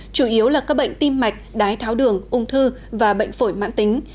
chủ yếu là các bệnh tim mạch đái tháo đường ung thư và bệnh phổi mãn tính